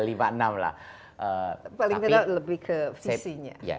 paling tidak lebih ke visinya